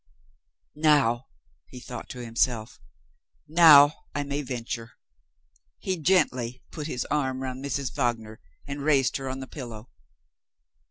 "Now!" he thought to himself, "now I may venture!" He gently put his arm round Mrs. Wagner, and raised her on the pillow.